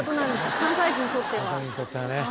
関西人にとっては。